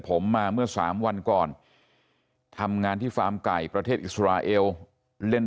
ผมมาเมื่อสามวันก่อนทำงานที่ฟาร์มไก่ประเทศอิสราเอลเล่น